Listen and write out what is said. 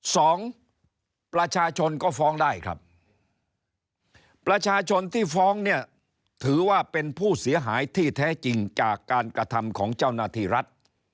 สองประชาชนก็ฟ้องได้ครับประชาชนที่ฟ้องเนี่ยถือว่าเป็นผู้เสียหายที่แท้จริงจากการกระทำของเจ้าหน้าที่รัฐ